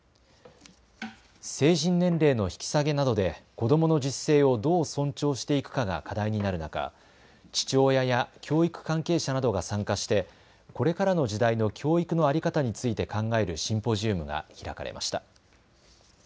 成人年齢の引き下げなどで子どもの自主性をどう尊重していくかが課題になる中、父親や教育関係者などが参加してこれからの時代の教育の在り方について考えるシンポジウムが開かれました。